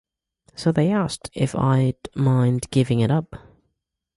So they asked if I'd mind giving it up.